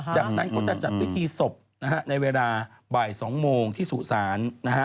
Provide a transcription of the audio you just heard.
จากนั้นก็จะจัดพิธีศพนะฮะในเวลาบ่าย๒โมงที่สุสานนะฮะ